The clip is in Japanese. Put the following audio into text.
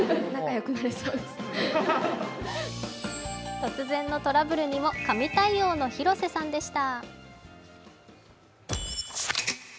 突然のトラブルにも、神対応の広瀬さんでした。